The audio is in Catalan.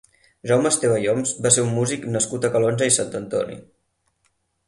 Jaume Esteve i Homs va ser un músic nascut a Calonge i Sant Antoni.